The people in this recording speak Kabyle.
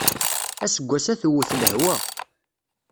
Aseggas-a tewwet lehwa.